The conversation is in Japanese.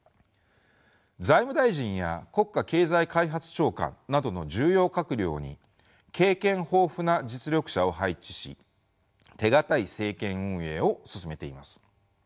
財務大臣や国家経済開発長官などの重要閣僚に経験豊富な実力者を配置し手堅い政権運営を進めています。